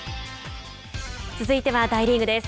続いては大リーグです。